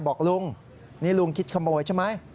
บอกลุงนี่ลุงคิดขโมยใช่ไหม